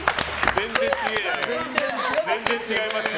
全然違いますよ。